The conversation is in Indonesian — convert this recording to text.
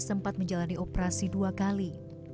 sempat menjalani operasi dua kali